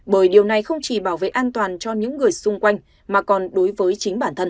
bởi điều này không chỉ bảo vệ an toàn cho những người xung quanh mà còn đối với chính bản thân